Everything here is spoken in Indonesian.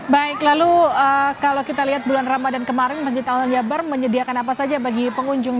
baik lalu kalau kita lihat bulan ramadhan kemarin masjid al jabbar menyediakan apa saja bagi pengunjung